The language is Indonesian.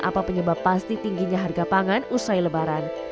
apa penyebab pasti tingginya harga pangan usai lebaran